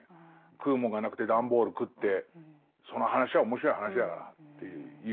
食うもんがなくて段ボール食ってその話は面白い話だからっていう。